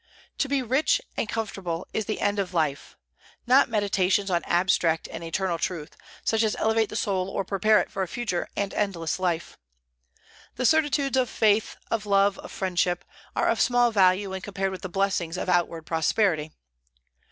To be rich and comfortable is the end of life, not meditations on abstract and eternal truth, such as elevate the soul or prepare it for a future and endless life. The certitudes of faith, of love, of friendship, are of small value when compared with the blessings of outward prosperity.